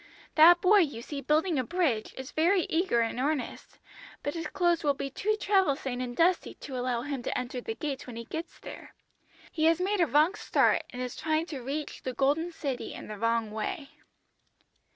That boy you see building a bridge is very eager and earnest, but his clothes will be too travel stained and dusty to allow him to enter the gates when he gets there. He has made a wrong start, and is trying to reach the Golden City in the wrong way.'